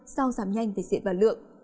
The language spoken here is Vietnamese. sau giảm nhanh về diện và lượng